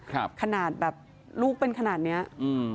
ครับขนาดแบบลูกเป็นขนาดนี้อืม